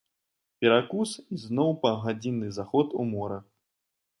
Перакус і зноў паўгадзінны заход у мора.